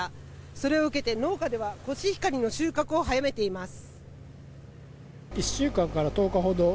それを受けて、農家ではコシヒカリ収穫を早めています。